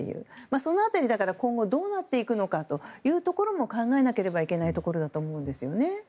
その辺り今後どうなっていくのかも考えなければいけないところだと思うんですね。